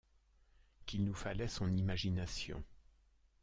Qu’il nous fallait son imagination.